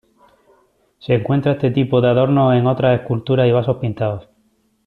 Se encuentra este tipo de adornos en otras esculturas y vasos pintados.